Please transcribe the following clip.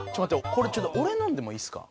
これちょっと俺のでもいいですか？